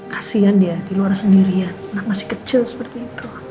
kasian dia di luar sendirian masih kecil seperti itu